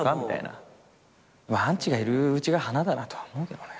アンチがいるうちが花だなとは思うけどね。